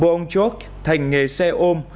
bộ ông chok thành nghề xe ôm